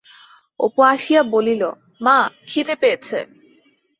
অপু আসিয়া বলিল, মা, খিদে পেয়েছে!